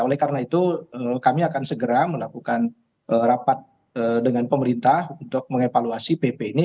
oleh karena itu kami akan segera melakukan rapat dengan pemerintah untuk mengevaluasi pp ini